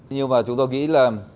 nhưng mà chúng tôi nghĩ là